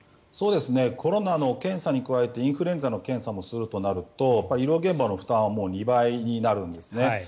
コロナの検査に加えてインフルエンザの検査もするとなると医療現場の負担は２倍になるんですね。